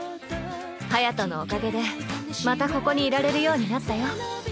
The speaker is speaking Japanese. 隼のおかげでまたここにいられるようになったよ。